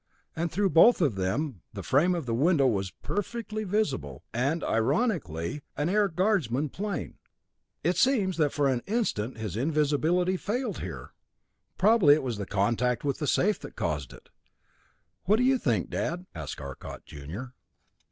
And through both of them the frame of the window was perfectly visible, and, ironically, an Air Guardsman plane. "It seems that for an instant his invisibility failed here. Probably it was the contact with the safe that caused it. What do you think, Dad?" asked Arcot, junior.